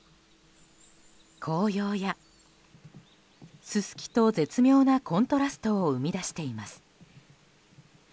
紅葉や、ススキと絶妙なコントラストを生み出しています。